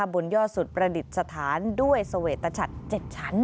บุญยอดสุดประดิษฐานด้วยสวรรค์ตะชัด๗ชั้น